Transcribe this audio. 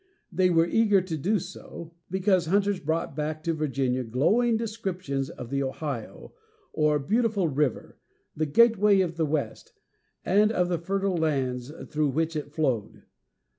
They were eager to do so, because hunters brought back to Virginia glowing descriptions of the Ohio, or "Beautiful River," the "Gateway of the West," and of the fertile lands through which it flowed.